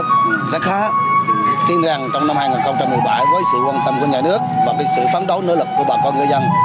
tuy nhiên rằng trong năm hai nghìn một mươi bảy với sự quan tâm của nhà nước và sự phán đấu nỗ lực của bà con ngư dân